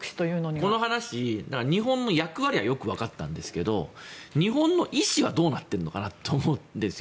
この話、日本の役割はよく分かったんですけど日本の意思はどうなってるのかなと思うんですよ。